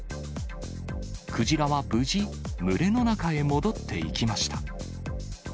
クジラは無事、群れの中へ戻っていきました。